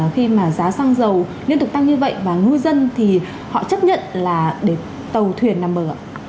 khi mà giá xăng dầu liên tục tăng như vậy và ngư dân thì họ chấp nhận là để tàu thuyền nằm bờ ạ